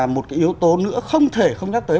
một cái yếu tố nữa không thể không nhắc tới